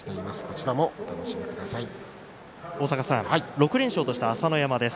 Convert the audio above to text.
６連勝とした朝乃山です。